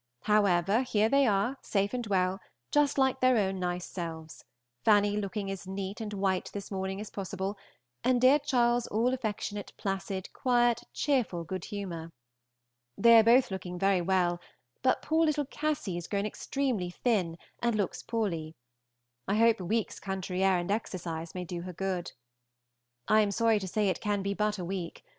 However, here they are, safe and well, just like their own nice selves, Fanny looking as neat and white this morning as possible, and dear Charles all affectionate, placid, quiet, cheerful good humor. They are both looking very well, but poor little Cassy is grown extremely thin, and looks poorly. I hope a week's country air and exercise may do her good. I am sorry to say it can be but a week.